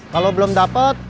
kalau belum dapet